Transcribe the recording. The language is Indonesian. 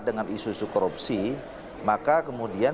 dengan isu isu korupsi maka kemudian